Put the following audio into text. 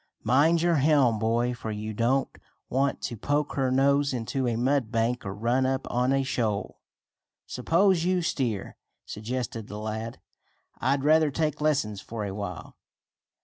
"Mind your helm, boy, for you don't want to poke her nose into a mud bank, or run up on a shoal." "Suppose you steer?" suggested the lad. "I'd rather take lessons for a while."